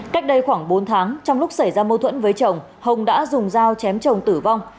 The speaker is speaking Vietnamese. cách đây khoảng bốn tháng trong lúc xảy ra mâu thuẫn với chồng hồng đã dùng dao chém chồng tử vong